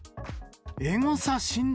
エゴサ死んだ。